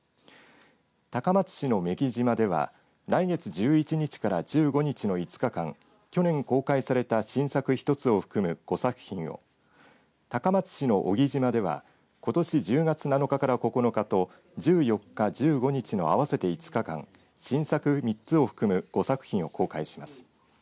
高松市の女木島では来月１１日から１５日の５日間去年公開された新作１つを含む５作品を高松市の男木島ではことし１０月７日から９日と１４日、１５日の合わせて５日間新作３つを含む５作品を公開します。